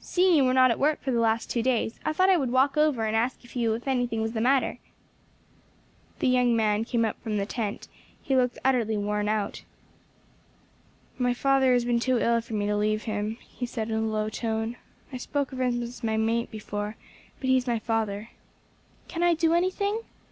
"Seeing you were not at work for the last two days, I thought I would walk over and ask you if anything was the matter." The young man came out from the tent; he looked utterly worn out. "My father has been too ill for me to leave him," he said, in a low tone. "I spoke of him as my mate before, but he is my father." "Can I do anything?"